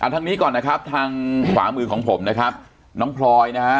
ทางนี้ก่อนนะครับทางขวามือของผมนะครับน้องพลอยนะฮะ